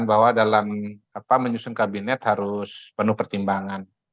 sebenarnya indonesia harus didengarkan bahwa dalam menyusun kabinet harus penuh pertimbangan